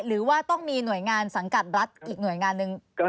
หรือว่าต้องมีหน่วยงานสังกัดรัฐอีกหน่วยงานหนึ่ง